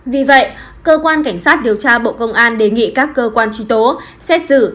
vì vậy cơ quan cảnh sát điều tra bộ công an đề nghị các cơ quan truy tố xét xử